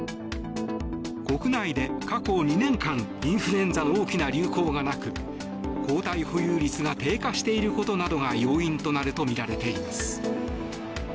国内で過去２年間インフルエンザの大きな流行がなく抗体保有率が低下していることなどが要因となるとみられています。